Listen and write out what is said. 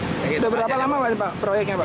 sudah berapa lama pak proyeknya pak